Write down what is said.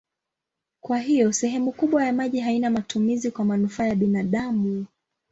Kwa hiyo sehemu kubwa ya maji haina matumizi kwa manufaa ya binadamu.